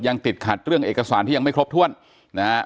ยังติดขัดเรื่องเอกสารที่ยังไม่ครบถ้วนนะฮะ